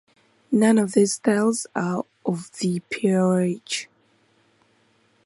None of these styles are of the peerage.